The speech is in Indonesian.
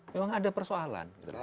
memang ada persoalan